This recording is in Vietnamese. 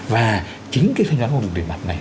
và chính cái thanh toán không dùng tiền mặt này